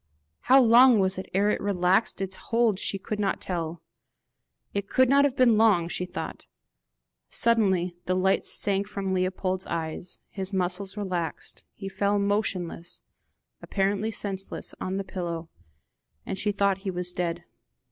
How long it was ere it relaxed its hold she could not tell; it could not have been long, she thought. Suddenly the light sank from Leopold's eyes, his muscles relaxed, he fell back motionless, apparently senseless, on the pillow, and she thought he was dead.